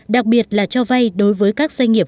đặc biệt là cho vay đối với các doanh nghiệp